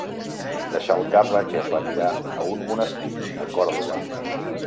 Deixà el càrrec i es retirà a un monestir de Còrdova.